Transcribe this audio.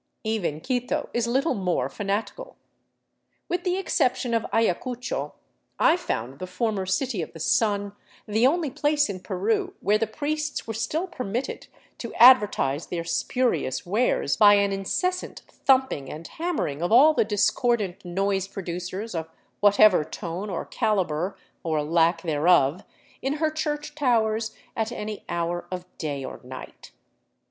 Even Quito is little more fanatical. With the exception of Ayacucho, I found the former City of the Sun the only place in Peru where the priests were still per mitted to advertise their spurious wares by an incessant thumping and hammering of all the discordant noise producers of whatever tone or caliber or lack thereof, in her church towers, at any hour of day or night.